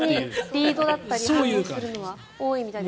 リードだったり反応するのは多いみたいです。